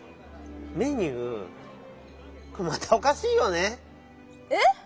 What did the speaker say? メニューまたおかしいよね？